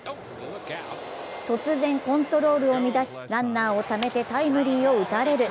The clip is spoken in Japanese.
突然コントロールを乱しランナーをためてタイムリーを打たれる。